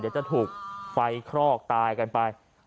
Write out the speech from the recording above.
เดี๋ยวจะถูกไฟคลอกตายกันไป